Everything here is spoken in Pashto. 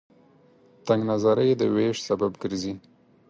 تنگ نظرۍ د وېش سبب ګرځي.